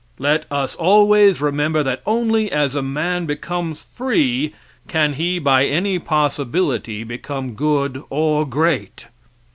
Let us always remember that only as a man becomes free can he by any possibility become good or great.